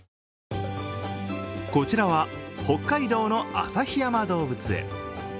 こちらは、北海道の旭山動物園。